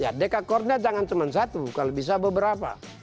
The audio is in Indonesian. ya deca cornnya jangan cuma satu kalau bisa beberapa